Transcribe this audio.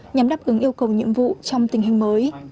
nhằm đáp ứng yêu cầu nhiệm vụ trong tình hình mới